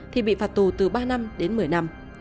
thì bị phạt tù từ ba năm đến một mươi năm